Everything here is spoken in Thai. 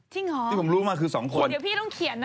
เหรอที่ผมรู้มาคือสองคนเดี๋ยวพี่ต้องเขียนนะ